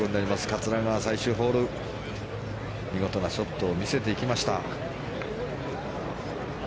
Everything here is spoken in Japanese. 桂川、最終ホール見事なショットを見せていきました。